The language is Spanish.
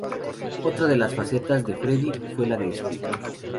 Otra de las facetas de Freddy fue la de escritor.